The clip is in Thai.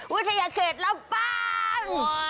วิทยาเขตรับบ้าน